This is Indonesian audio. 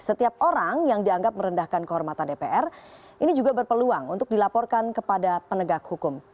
setiap orang yang dianggap merendahkan kehormatan dpr ini juga berpeluang untuk dilaporkan kepada penegak hukum